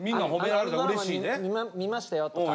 「あのドラマ見ましたよ」とか。